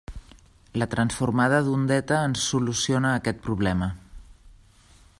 La transformada d'ondeta ens soluciona aquest problema.